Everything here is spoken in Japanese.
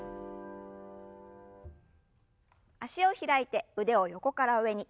脚を開いて腕を横から上に。